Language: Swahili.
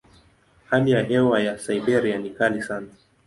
Hali ya hewa ya Siberia ni kali sana.